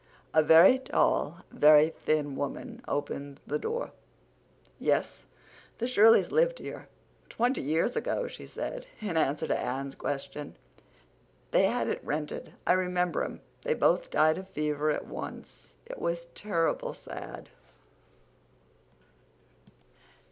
A very tall, very thin woman opened the door. "Yes, the Shirleys lived here twenty years ago," she said, in answer to Anne's question. "They had it rented. I remember 'em. They both died of fever at onct. It was turrible sad.